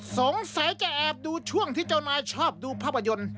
สงสัยจะแอบดูช่วงที่เจ้านายชอบดูภาพยนตร์